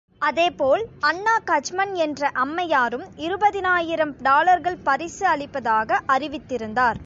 அதேபோல், அன்னா கஜ்மன் என்ற அம்மையாரும் இருபதினாயிரம் டாலர்கள் பரிசு அளிப்பதாக அறிவித்திருந்தார்.